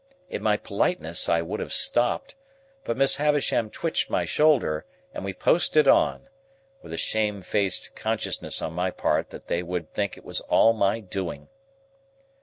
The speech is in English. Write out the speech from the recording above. In my politeness, I would have stopped; but Miss Havisham twitched my shoulder, and we posted on,—with a shame faced consciousness on my part that they would think it was all my doing.